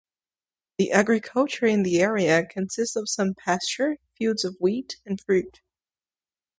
The agriculture in the area consists of some pasture, fields of wheat and fruit.